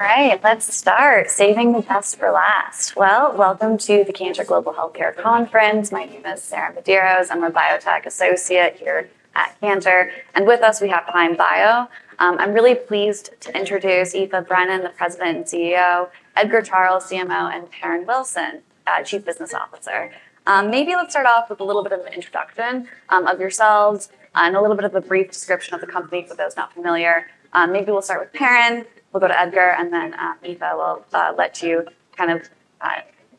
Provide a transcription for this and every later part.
All right, let's start. Saving the best for last. Welcome to the Cantor Global Healthcare Conference. My name is Sarah Medeiros. I'm a biotech associate here at Cantor. With us, we have Climb Bio. I'm really pleased to introduce Aoife Brennan, the President and CEO, Edgar Charles, CMO, and Perrin Wilson, Chief Business Officer. Maybe let's start off with a little bit of an introduction of yourselves and a little bit of a brief description of the company for those not familiar. Maybe we'll start with Perrin. We'll go to Edgar, and then Aoife, we'll let you kind of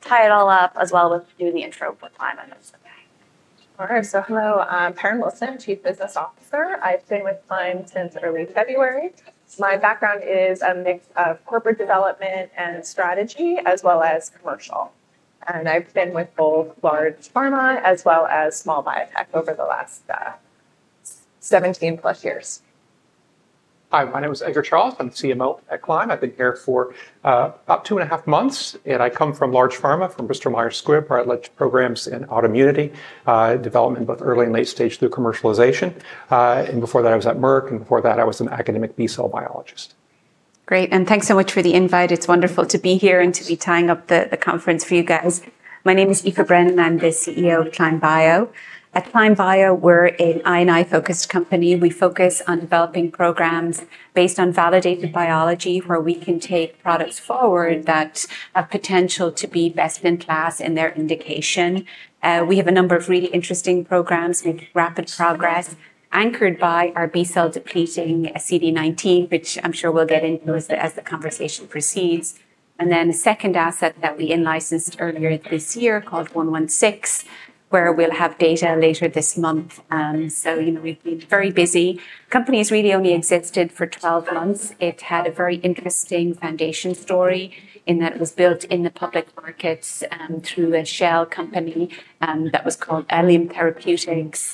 tie it all up as well with doing the intro with Perrin Wilson. All right, hello, Perrin Wilson, Chief Business Officer. I've been with Climb since early February. My background is a mix of corporate development and strategy, as well as commercial. I've been with both large pharma as well as small biotech over the last 17+ years. Hi, my name is Edgar Charles. I'm CMO at Climb. I've been here for about two and a half months. I come from large pharma, from Bristol-Myers Squibb, where I led programs in autoimmunity development, both early and late stage through commercialization. Before that, I was at Merck. Before that, I was an academic B-cell biologist. Great, and thanks so much for the invite. It's wonderful to be here and to be tying up the conference for you guys. My name is Aoife Brennan. I'm the CEO of Climb Bio. At Climb Bio, we're an R&I-focused company. We focus on developing programs based on validated biology, where we can take products forward that have potential to be best in class in their indication. We have a number of really interesting programs making rapid progress, anchored by our B-cell depleting CD19, which I'm sure we'll get into as the conversation proceeds. We have a second asset that we licensed earlier this year called CLYM116, where we'll have data later this month. We've been very busy. The company has really only existed for 12 months. It had a very interesting foundation story in that it was built in the public markets through a shell company that was called Eliem Therapeutics.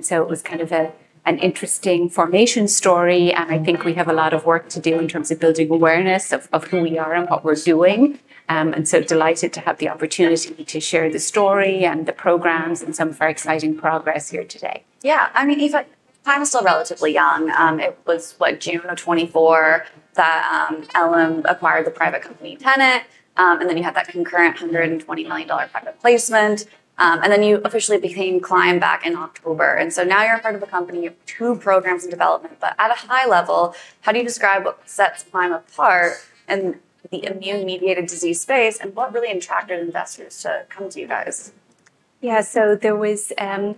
It was kind of an interesting formation story. I think we have a lot of work to do in terms of building awareness of who we are and what we're doing. I'm delighted to have the opportunity to share the story and the programs and some of our exciting progress here today. Yeah, I mean, Aoife, Climb is still relatively young. It was, what, June of 2024 that Eliem acquired the private company Tenet. You had that concurrent $120 million private placement. You officially became Climb back in October. Now you're a part of a company with two programs in development. At a high level, how do you describe what sets Climb apart in the immune-mediated disease space? What really attracted investors to come to you guys? Yeah, so there was a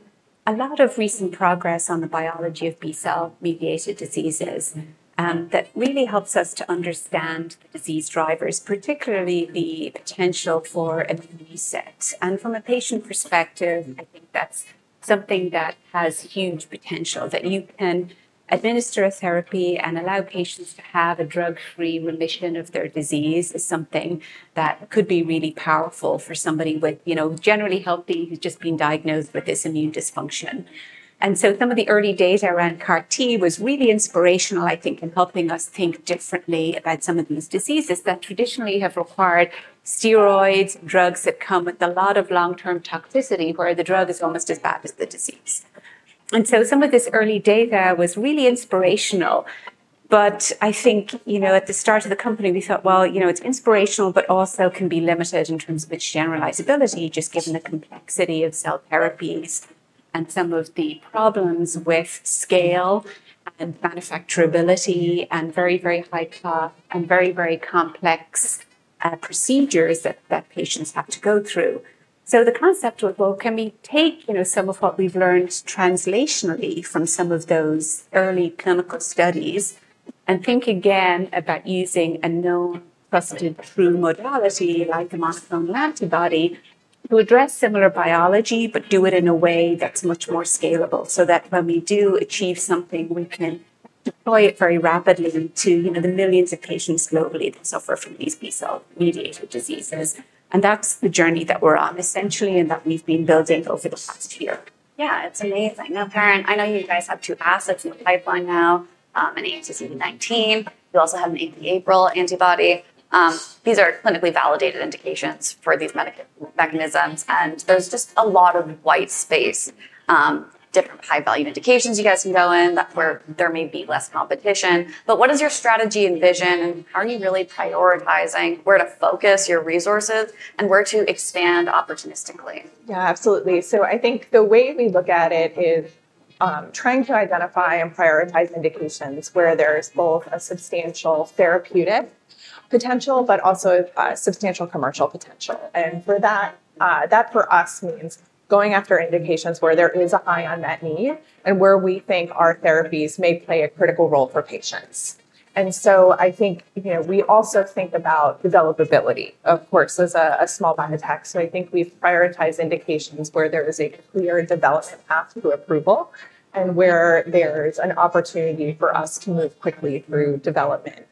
lot of recent progress on the biology of B-cell-mediated diseases that really helps us to understand the disease drivers, particularly the potential for a reset. From a patient perspective, I think that's something that has huge potential. That you can administer a therapy and allow patients to have a drug-free remission of their disease is something that could be really powerful for somebody with, you know, generally healthy who's just been diagnosed with this immune dysfunction. Some of the early data around CAR-T was really inspirational, I think, in helping us think differently about some of these diseases that traditionally have required steroids, drugs that come with a lot of long-term toxicity, where the drug is almost as bad as the disease. Some of this early data was really inspirational. I think, you know, at the start of the company, we thought, well, you know, it's inspirational, but also can be limited in terms of its generalizability, just given the complexity of cell therapies and some of the problems with scale and manufacturability and very, very high cost and very, very complex procedures that patients have to go through. The concept was, can we take, you know, some of what we've learned translationally from some of those early clinical studies and think again about using a non-prostitute modality, like a monoclonal antibody, to address similar biology, but do it in a way that's much more scalable so that when we do achieve something, we can deploy it very rapidly into, you know, the millions of patients globally that suffer from these B-cell-mediated diseases. That's the journey that we're on, essentially, and that we've been building over the last year. Yeah, it's amazing. Now, Perrin, I know you guys have two assets in the pipeline now. You have the CD19. You also have an anti-APRIL antibody. These are clinically validated indications for these medical mechanisms. There's just a lot of white space, different high-value indications you guys can go in that where there may be less competition. What does your strategy envision? Are you really prioritizing where to focus your resources and where to expand opportunistically? Absolutely. I think the way we look at it is trying to identify and prioritize indications where there's both a substantial therapeutic potential, but also a substantial commercial potential. For that, that for us means going after indications where there is a high unmet need and where we think our therapies may play a critical role for patients. I think we also think about developability, of course, as a small biotech. We've prioritized indications where there is a clear development path to approval and where there's an opportunity for us to move quickly through development.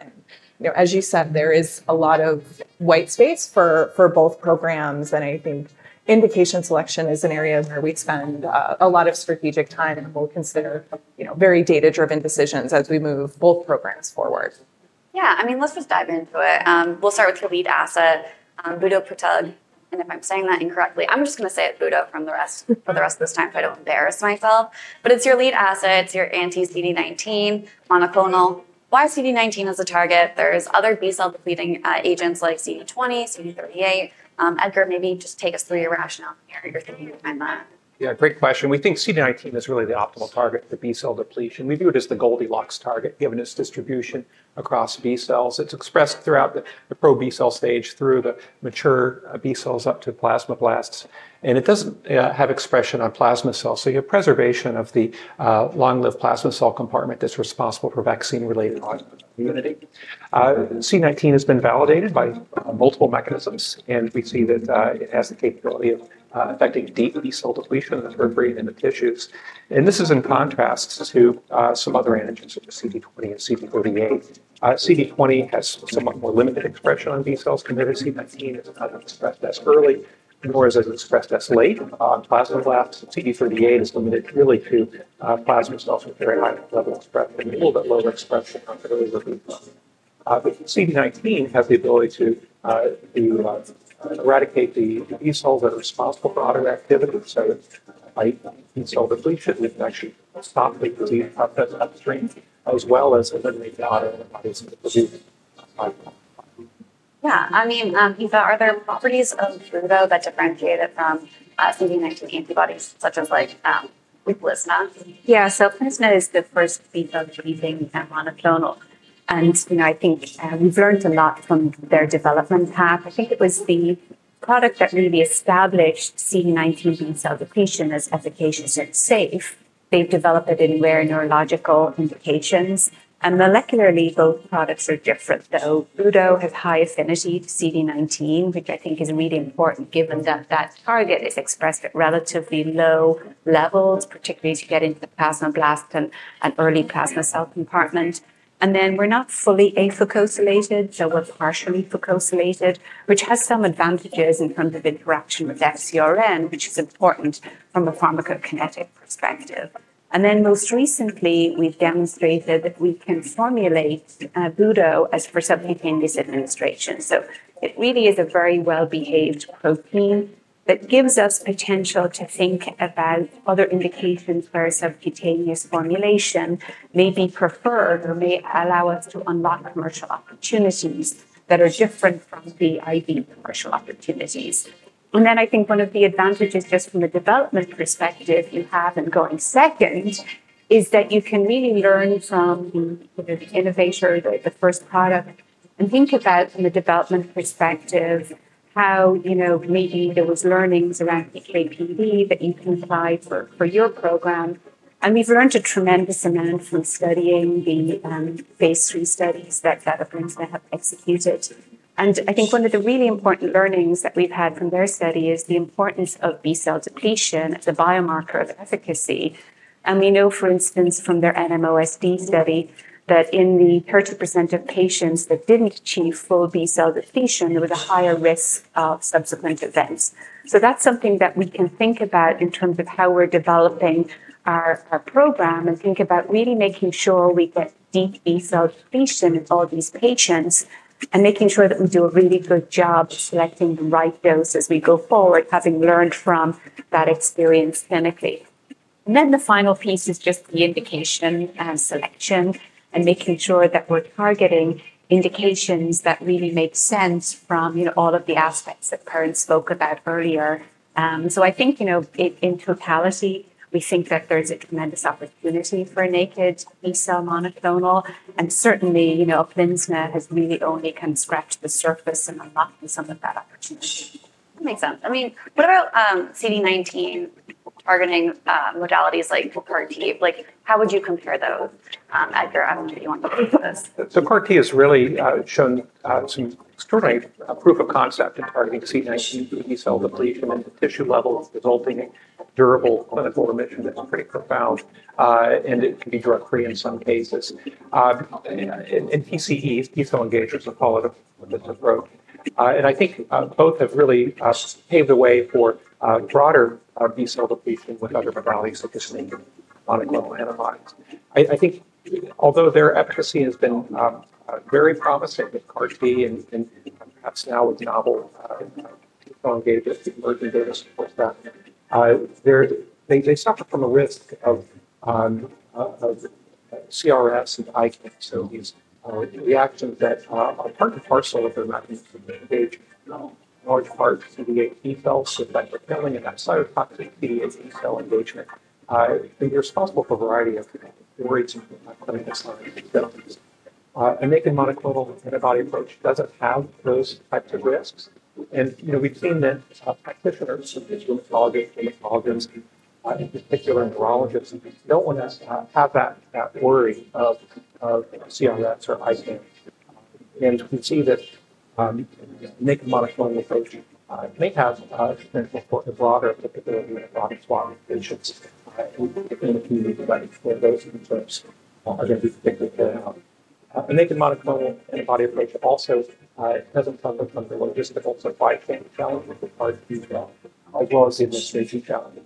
As you said, there is a lot of white space for both programs. I think indication selection is an area where we spend a lot of strategic time. We'll consider very data-driven decisions as we move both programs forward. Yeah, I mean, let's just dive into it. We'll start with your lead asset, budoprutug. And if I'm saying that incorrectly, I'm just going to say it budo for the rest of this time so I don't embarrass myself. It's your lead asset. It's your anti-CD19 monoclonal. Why CD19 as a target? There are other B-cell depleting agents like CD20, CD38. Edgar, maybe just take us through your rationale here, your thinking behind that. Yeah, great question. We think CD19 is really the optimal target for the B-cell depletion. We view it as the Goldilocks target, given its distribution across B cells. It's expressed throughout the pro-B-cell stage through the mature B cells up to plasmablasts. It doesn't have expression on plasma cells, so you have preservation of the long-lived plasma cell compartment that's responsible for vaccine-related immunity. CD19 has been validated by multiple mechanisms. We see that it has the capability of affecting deep B-cell depletion in the brain and the tissues. This is in contrast to some other antigens of the CD20 and CD38. CD20 has somewhat more limited expression on B cells. Compared to CD19, it's not expressed as early, nor is it expressed as late on plasmablasts. CD38 is limited really to plasma cells with a very high level of expression, a little bit lower expression on early. CD19 has the ability to eradicate the B -cells that are responsible for autoactivity. By B-cell depletion, we can actually stop the disease process upstream, as well as eliminate the autoantibodies in the tissue. Yeah, I mean, Aoife, are there properties of budo that differentiate it from CD19 antibodies, such as Uplizna? Yeah, Uplizna is the first B-cell depleting monoclonal. I think we've learned a lot from their development path. I think it was the product that really established CD19 B-cell depletion as efficacious and safe. They've developed it in rare neurological indications. Molecularly, both products are different. budo has high affinity to CD19, which I think is really important, given that that target is expressed at relatively low levels, particularly as you get into the plasmablast and early plasma cell compartment. We're not fully afucosylated, so we're partially fucosylated, which has some advantages in terms of interaction with FcRn, which is important from a pharmacokinetic perspective. Most recently, we've demonstrated that we can formulate budo for subcutaneous administration. It really is a very well-behaved protein that gives us potential to think about other indications where a subcutaneous formulation may be preferred or may allow us to unlock commercial opportunities that are different from the IV commercial opportunities. One of the advantages just from a development perspective you have in going second is that you can really learn from the innovator, the first product, and think about from a development perspective how, you know, maybe there were learnings around PKPD that you can apply for your program. We've learned a tremendous amount from studying the phase III studies that [Brennan and Cliff] have executed. I think one of the really important learnings that we've had from their study is the importance of B-cell depletion as a biomarker of efficacy. We know, for instance, from their NMOSD study that in the 30% of patients that didn't achieve full B-cell depletion, there was a higher risk of subsequent events. That's something that we can think about in terms of how we're developing our program and think about really making sure we get deep B-cell depletion in all these patients and making sure that we do a really good job of selecting the right dose as we go forward, having learned from that experience clinically. The final piece is just the indication and selection and making sure that we're targeting indications that really make sense from, you know, all of the aspects that Perrin spoke about earlier. I think, in totality, we think that there's a tremendous opportunity for a naked B-cell monoclonal. Certainly, Uplizna has really only kind of scratched the surface and unlocked some of that opportunity. That makes sense. I mean, what about CD19 targeting modalities like CAR-T? How would you compare those? Edgar, I don't know if you want to go first. CAR-T has really shown some extraordinary proof of concept in targeting CD19 B-cell depletion at the tissue level, resulting in durable clinical remission. That's pretty profound. It can be drug-free in some cases. TCEs, T-cell engagers, as we call it, is a drug. I think both have really paved the way for broader B-cell depletion with other modalities such as monoclonal antibodies. Although their efficacy has been very promising with CAR-T and perhaps now with novel elongated emerging data supports that, they suffer from a risk of CRS [and ICANS]. These reactions that are part of CAR-T cellular mechanisms engage large parts of the B-cells by the killing and that cytotoxicity in B-cell engagement. They're responsible for a variety of clinical cellular disabilities. A naked monoclonal antibody approach doesn't have those types of risks. We've seen that practitioners, so physiologists, rheumatologists, in particular neurologists, don't want to have that worry of CRS or ICANS. We see that naked monoclonal approaches may have a broader applicability in the broad swath of patients in the community by explaining those in terms of everything that we care about. A naked monoclonal antibody approach also doesn't have the number one risk of also bicam challenge as far as B-cell, as well as the administration challenge.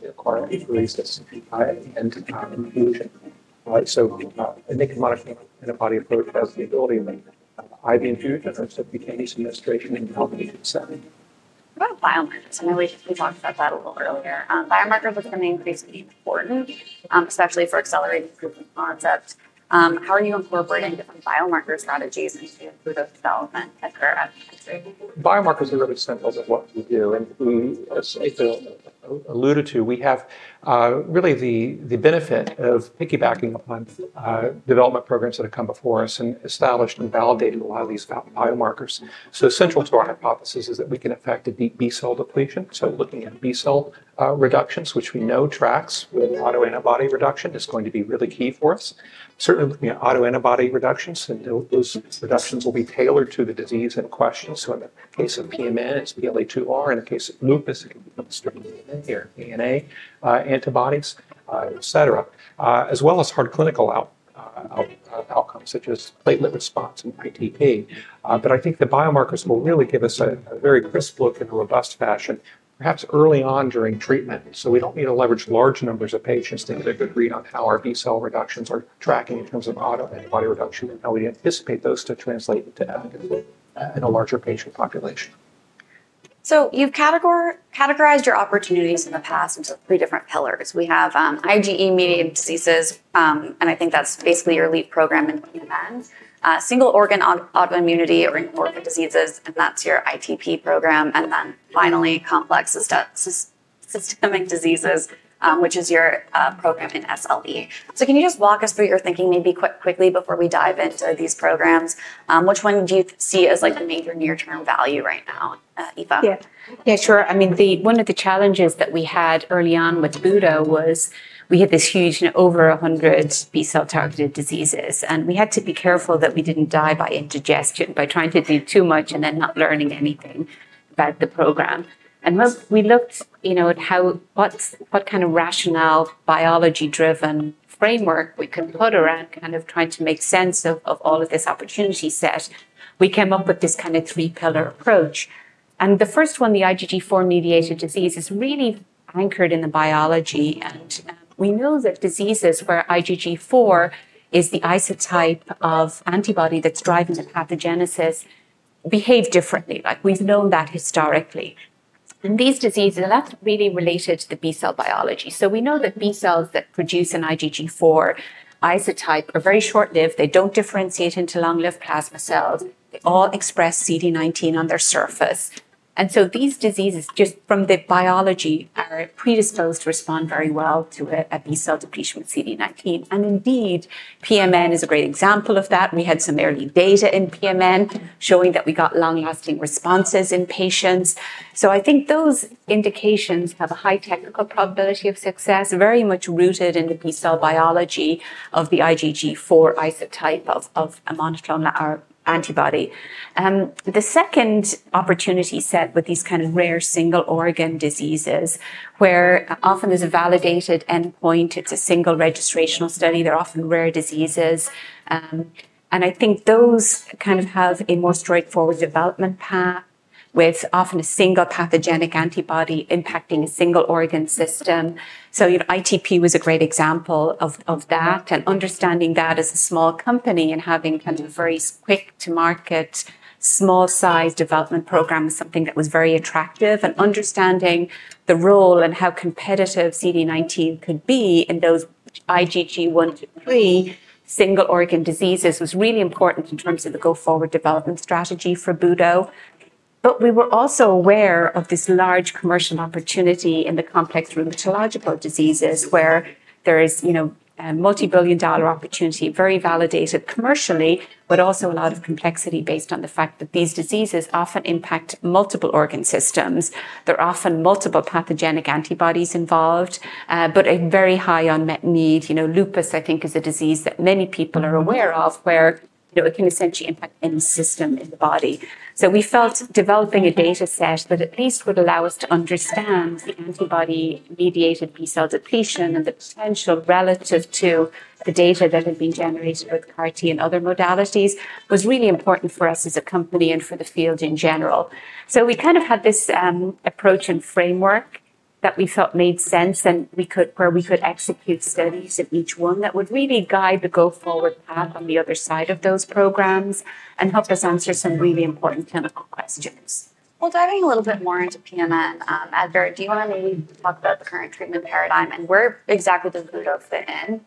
They require at least a CGI at the end to drive infusion. A naked monoclonal antibody approach has the ability to make IV infusion or subcutaneous administration in the health patient setting. Oh, biomarkers. I know we talked about that a little earlier. Biomarkers are going to increase the importance, especially for accelerating proof of concept. How are you incorporating different biomarker strategies into budo's development, Edgar? Biomarkers are really central to what we do. As Aoife alluded to, we have really the benefit of piggybacking on development programs that have come before us and established and validated a lot of these biomarkers. Central to our hypothesis is that we can affect a deep B-cell depletion. Looking at B-cell reductions, which we know tracks with autoantibody reduction, is going to be really key for us. Certainly looking at autoantibody reductions, and those reductions will be tailored to the disease in question. In the case of pMN, it's PLA2R. In the case of lupus, it includes here, ANA antibodies, et cetera, as well as hard clinical outcomes such as platelet response in immune thrombocytopenia. I think the biomarkers will really give us a very crisp look in a robust fashion, perhaps early on during treatment. We don't need to leverage large numbers of patients to get a good read on how our B-cell reductions are tracking in terms of autoantibody reduction. We anticipate those to translate in a larger patient population. You've categorized your opportunities in the past into three different pillars. We have IgE-mediated diseases, and I think that's basically your lead program in pMN. Single organ autoimmunity or inorganic diseases, and that's your ITP program. Finally, complex systemic diseases, which is your program in SLE. Can you just walk us through your thinking maybe quickly before we dive into these programs? Which one do you see as the major near-term value right now, Aoife? Yeah, yeah, sure. I mean, one of the challenges that we had early on with budo was we had this huge, over 100 B-cell targeted diseases. We had to be careful that we didn't die by indigestion, by trying to do too much and then not learning anything about the program. Once we looked at what kind of rationale, biology-driven framework we could put around kind of trying to make sense of all of this opportunity set, we came up with this kind of three-pillar approach. The first one, the IgG4-mediated disease, is really anchored in the biology. We know that diseases where IgG4 is the isotype of antibody that's driving the pathogenesis behave differently. Like we've known that historically. These diseases, and that's really related to the B-cell biology. We know that B cells that produce an IgG4 isotype are very short-lived. They don't differentiate into long-lived plasma cells. They all express CD19 on their surface. These diseases, just from the biology, are predisposed to respond very well to a B-cell depletion with CD19. Indeed, pMN is a great example of that. We had some early data in pMN showing that we got long-lasting responses in patients. I think those indications have a high technical probability of success, very much rooted in the B-cell biology of the IgG4 isotype of a monoclonal antibody. The second opportunity set with these kind of rare single organ diseases, where often there's a validated endpoint, it's a single registrational study, they're often rare diseases. I think those kind of have a more straightforward development path with often a single pathogenic antibody impacting a single organ system. You know, ITP was a great example of that. Understanding that as a small company and having kind of a very quick-to-market, small-size development program was something that was very attractive. Understanding the role and how competitive CD19 could be in those IgG1- IgG3 single organ diseases was really important in terms of the go-forward development strategy for budo. We were also aware of this large commercial opportunity in the complex rheumatological diseases, where there is a multi-billion dollar opportunity, very validated commercially, but also a lot of complexity based on the fact that these diseases often impact multiple organ systems. There are often multiple pathogenic antibodies involved, but a very high unmet need. Lupus, I think, is a disease that many people are aware of, where it can essentially impact any system in the body. We felt developing a data set that at least would allow us to understand the antibody-mediated B-cell depletion and the potential relative to the data that had been generated with CAR-T and other modalities was really important for us as a company and for the field in general. We had this approach and framework that we thought made sense and where we could execute studies in each one that would really guide the go-forward path on the other side of those programs and help us answer some really important clinical questions. Diving a little bit more into pMN, Edgar, do you want to maybe talk about the current treatment paradigm and where exactly does budo fit in?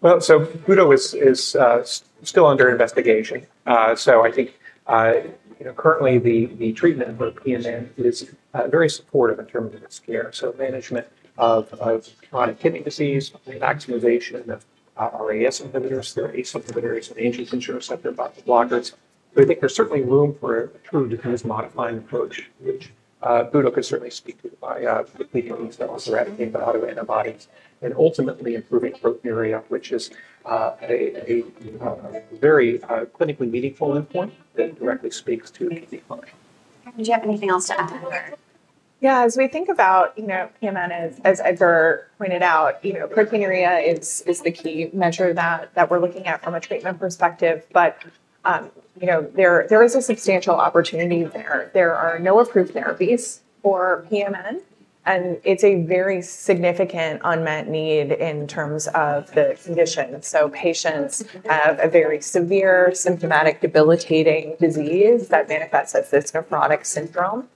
Budo is still under investigation. I think, you know, currently the treatment with pMN is very supportive in terms of its care. Management of chronic kidney disease, the maximization of the RAS inhibitors, the ACE inhibitors, and angiotensin receptor blockers are important. I think there's certainly room for a true disease-modifying approach. Budo could certainly speak to the leukemic cell therapy and autoantibodies and ultimately improving proteinuria, which is a very clinically meaningful endpoint that directly speaks to the clinic. Do you have anything else to add, Perrin? Yeah, as we think about, you know, pMN, as Edgar pointed out, proteinuria is the key measure that we're looking at from a treatment perspective. There is a substantial opportunity there. There are no approved therapies for pMN, and it's a very significant unmet need in terms of the condition. Patients have a very severe, symptomatic, debilitating disease that manifests as this nephrotic syndrome.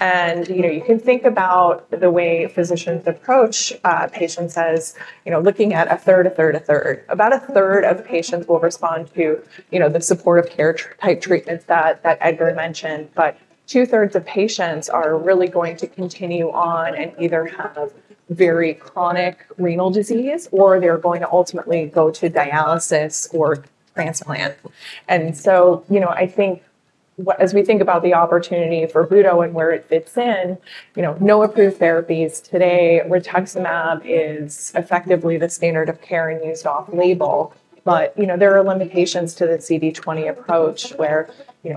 You can think about the way physicians approach patients as looking at a third, a third, a third. About a third of the patients will respond to the supportive care type treatments that Edgar mentioned. Two-thirds of patients are really going to continue on and either have very chronic renal disease or they're going to ultimately go to dialysis or transplant. I think as we think about the opportunity for budo and where it fits in, no approved therapies today. Rituximab is effectively the standard of care and used off-label. There are limitations to the CD20 approach, where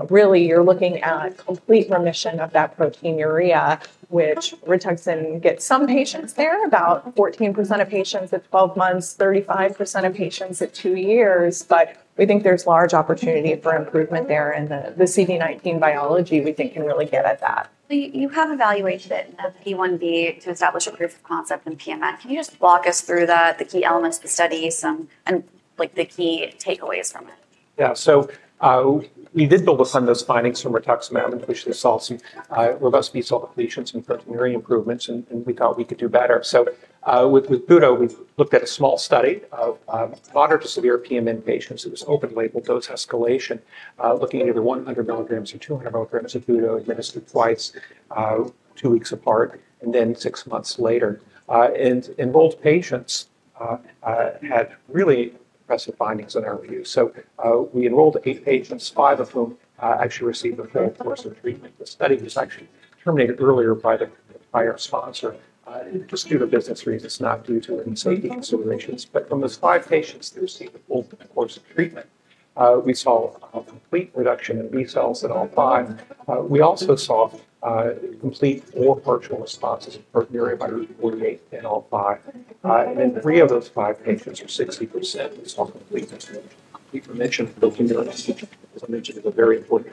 really you're looking at complete remission of that proteinuria, which Rituximab gets some patients there, about 14% of patients at 12 months, 35% of patients at two years. We think there's a large opportunity for improvement there, and the CD19 biology, we think, can really get at that. You have evaluated it in pI-B to establish a proof of concept in pMN. Can you just walk us through the key elements of the study and the key takeaways from it? Yeah, we did build upon those findings from Rituximab and obviously saw some robust B-cell depletions and proteinuria improvements. We thought we could do better. With budo, we've looked at a small study of moderate to severe pMN patients. It was open-label dose escalation, looking at either 100 mg or 200 mg of budo administered twice, two weeks apart, and then six months later. Enrolled patients had really impressive findings in our review. We enrolled eight patients, five of whom actually received a full course of treatment. The study was actually terminated early by our sponsor just due to business reasons, not due to insane insulin rejections. From those five patients who received a full course of treatment, we saw a complete reduction in B -cells in all five. We also saw a complete or partial response to proteinuria by week 48 in all five. In three of those five patients, or 60%, we saw complete resolution. I think I mentioned the formulation was a very important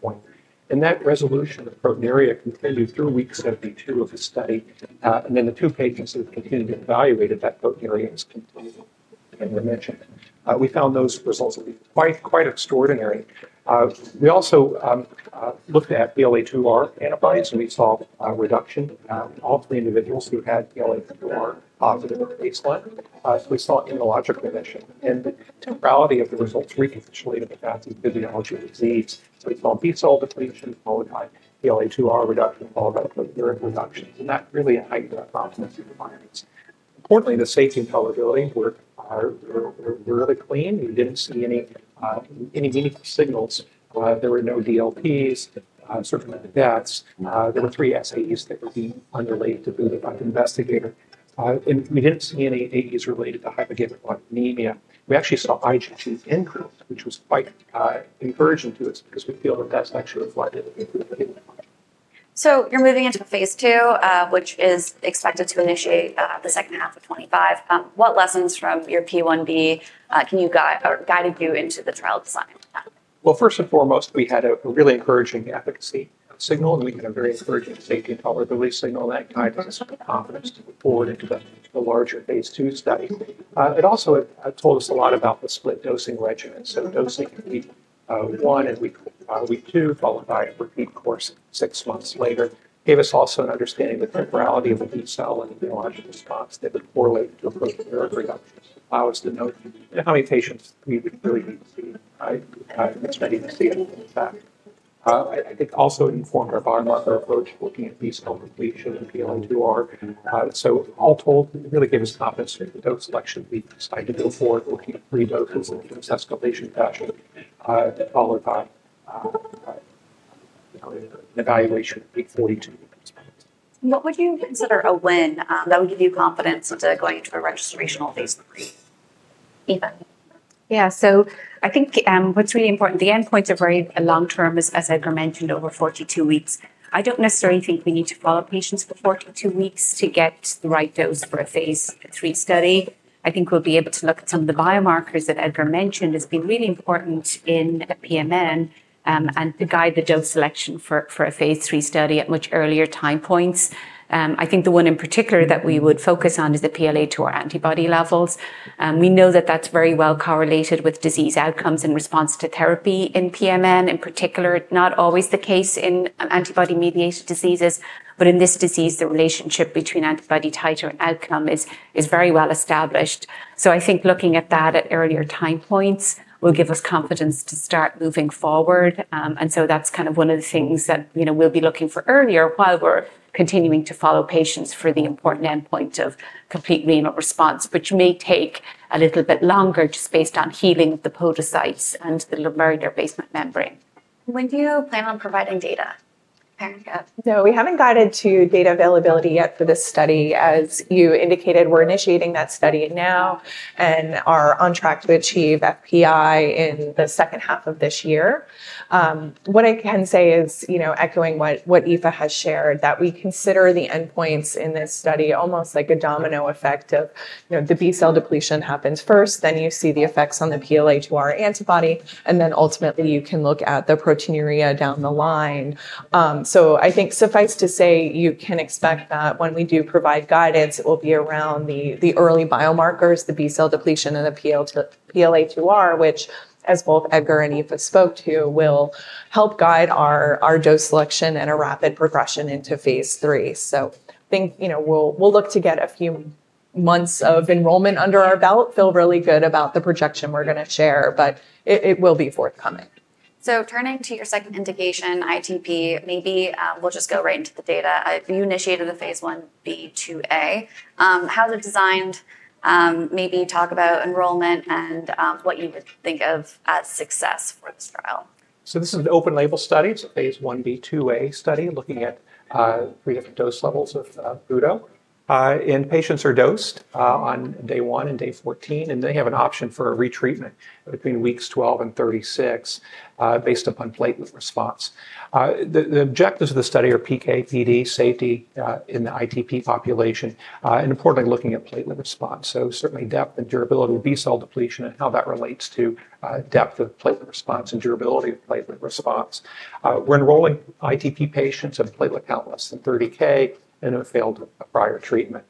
point. That resolution of proteinuria continued through week 72 of the study. The two patients who continued to evaluate that proteinuria continued to be in remission. We found those results to be quite extraordinary. We also looked at PLA2R antibodies, and we saw a reduction of the individuals who had PLA2R positive at baseline. We saw immunologic remission. The temporality of the results recapitulated the pathophysiology of the disease. We saw B-cell depletion followed by PLA2R reduction followed by proteinuria reduction. That really highly documented the findings. Importantly, the safety and tolerability were really clean. We didn't see any immunity signals. There were no DLTs, certainly no deaths. There were three SAEs that were deemed unrelated to budo by the investigator. We didn't see any AEs related to hypogammaglobulinemia. We actually saw IgG increase, which was quite encouraging to us because we feel that that's actually what led to the. You're moving into phase II, which is expected to initiate the second half of 2025. What lessons from your pI-B can you guide or guided you into the trial design? First and foremost, we had a really encouraging efficacy signal, and we had a very encouraging safety and tolerability signal. That guided us with confidence to move forward into the larger phase II study. It also told us a lot about the split dosing regimen. Dosing in week 1 and week 2, followed by a repeat course six months later, gave us also an understanding of the temporality of the B-cell and the neurologic response that would correlate with what we were agreeing on. It allowed us to know how many patients we really need to see, expecting to see in the next half. I think also it informed our biomarker approach, looking at B-cell depletion and PLA2R. All told, it really gave us confidence for the dose selection. We decided to go forward looking at three doses in dose escalation fashion, followed by an evaluation in week 42. What would you consider a win that would give you confidence into going into a registration of phase III, Aoife? Yeah, so I think what's really important, the endpoint of very long term, as Edgar mentioned, over 42 weeks. I don't necessarily think we need to follow patients for 42 weeks to get the right dose for a phase III study. I think we'll be able to look at some of the biomarkers that Edgar mentioned as being really important in pMN and to guide the dose selection for a phase III study at much earlier time points. I think the one in particular that we would focus on is the PLA2R antibody levels. We know that that's very well correlated with disease outcomes and response to therapy in pMN. In particular, it's not always the case in antibody-mediated diseases. In this disease, the relationship between antibody titer and outcome is very well established. I think looking at that at earlier time points will give us confidence to start moving forward. That's kind of one of the things that we'll be looking for earlier while we're continuing to follow patients for the important endpoint of complete renal response, which may take a little bit longer just based on healing of the podocytes and the lamellar basement membrane. When do you plan on providing data? No, we haven't got into data availability yet for this study. As you indicated, we're initiating that study now and are on track to achieve FPI in the second half of this year. What I can say is, echoing what Aoife has shared, that we consider the endpoints in this study almost like a domino effect of the B-cell depletion happens first. Then you see the effects on the PLA2R antibody, and then ultimately, you can look at the proteinuria down the line. I think suffice to say, you can expect that when we do provide guidance, it will be around the early biomarkers, the B-cell depletion and the PLA2R, which, as both Edgar and Aoife spoke to, will help guide our dose selection and a rapid progression into phase III. I think we'll look to get a few months of enrollment under our belt. Feel really good about the projection we're going to share, but it will be forthcoming. Turning to your second indication, ITP, maybe we'll just go right into the data. You initiated the phase I-B/II-A. How is it designed? Maybe talk about enrollment and what you think of as success for this trial. This is an open-label study. It's a phase I-B/II-A study looking at three different dose levels of budo. Patients are dosed on day 1 and day 14. They have an option for a retreatment between weeks 12 and 36 based upon platelet response. The objectives of the study are PK, TD, safety in the ITP population, and importantly, looking at platelet response. Certainly, depth and durability of B-cell depletion and how that relates to depth of platelet response and durability of platelet response. We're enrolling ITP patients at a platelet count less than 30,000 who have failed a prior treatment.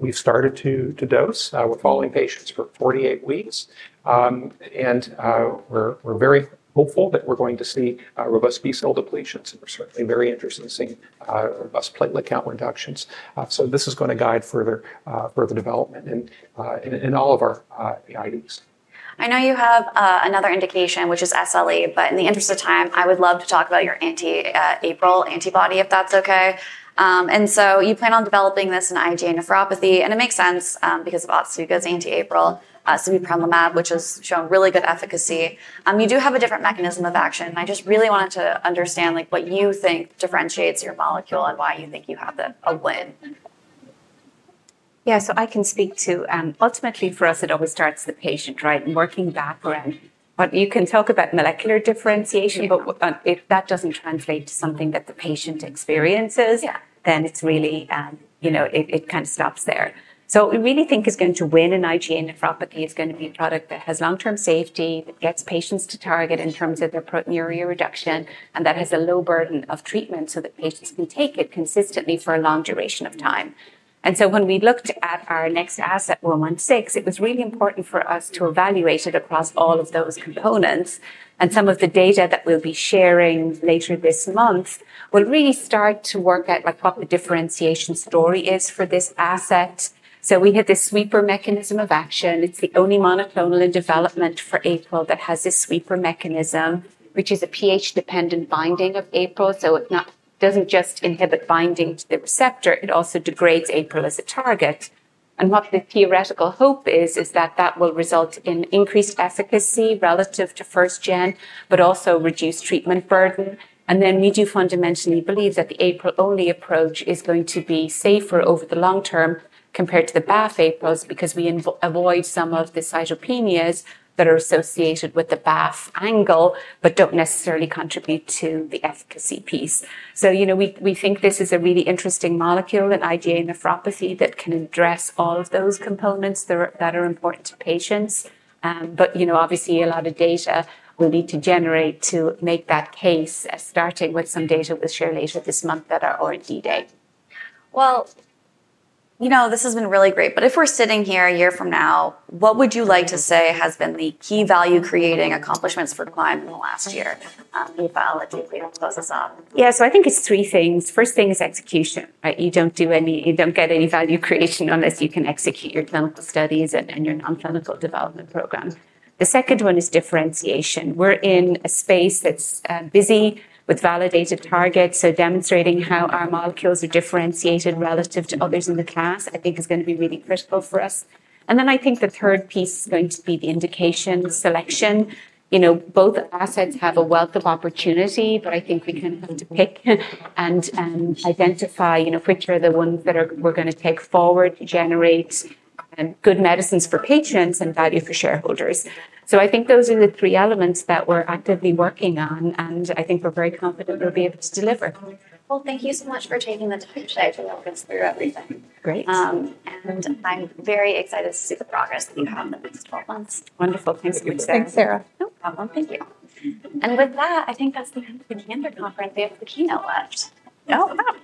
We've started to dose. We're following patients for 48 weeks. We're very hopeful that we're going to see robust B-cell depletions. We're certainly very interested in seeing robust platelet count reductions. This is going to guide further development in all of our IDs. I know you have another indication, which is SLE. In the interest of time, I would love to talk about your anti-APRIL antibody, if that's OK. You plan on developing this in IgA nephropathy, and it makes sense because of Otsuka's anti-APRIL, sibipramumab, which has shown really good efficacy. You do have a different mechanism of action. I just really wanted to understand what you think differentiates your molecule and why you think you have a win. Yeah, I can speak to ultimately for us, it always starts with the patient, right? Working back around, you can talk about molecular differentiation, but if that doesn't translate to something that the patient experiences, then it really kind of stops there. What we really think is going to win in IgA nephropathy is going to be a product that has long-term safety, that gets patients to target in terms of their proteinuria reduction, and that has a low burden of treatment so that patients can take it consistently for a long duration of time. When we looked at our next asset, CLYM116, it was really important for us to evaluate it across all of those components. Some of the data that we'll be sharing later this month will really start to work out what the differentiation story is for this asset. We had this sweeper mechanism of action. It's the only monoclonal in development for APRIL that has this sweeper mechanism, which is a pH-dependent binding of APRIL. It doesn't just inhibit binding to the receptor. It also degrades APRIL as a target. The theoretical hope is that will result in increased efficacy relative to first-gen, but also reduce treatment burden. We do fundamentally believe that the APRIL-only approach is going to be safer over the long term compared to the BAFF/APRILs because we avoid some of the cytopenias that are associated with the BAFF angle, but don't necessarily contribute to the efficacy piece. We think this is a really interesting molecule in IgA nephropathy that can address all of those components that are important to patients. Obviously, a lot of data will need to generate to make that case, starting with some data we'll share later this month that are already dating. This has been really great. If we're sitting here a year from now, what would you like to say has been the key value-creating accomplishments for Climb in the last year? Aoife, I'll let you close us off. Yeah, so I think it's three things. The first thing is execution. You don't do any, you don't get any value creation unless you can execute your clinical studies and your non-clinical development program. The second one is differentiation. We're in a space that's busy with validated targets, so demonstrating how our molecules are differentiated relative to others in the class, I think, is going to be really critical for us. I think the third piece is going to be the indication selection. You know, both assets have a wealth of opportunity, but I think we kind of have to pick and identify, you know, which are the ones that we're going to take forward to generate good medicines for patients and value for shareholders. I think those are the three elements that we're actively working on, and I think we're very confident we'll be able to deliver. Thank you so much for taking the time today to walk us through everything. Great. I'm very excited to see the progress that you have in the next 12 months. Wonderful. Thank you. Thanks, Sarah. No problem. Thank you. With that, I think that's the end of the Cantor Conference. We have the keynote left. Oh, wow.